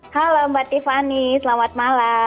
halo mbak tiffany selamat malam